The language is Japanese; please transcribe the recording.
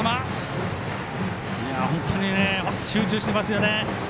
本当に集中してますよね。